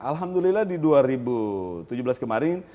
alhamdulillah di dua ribu tujuh belas kemarin